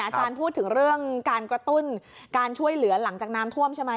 พูดถึงเรื่องการกระตุ้นการช่วยเหลือหลังจากน้ำท่วมใช่ไหม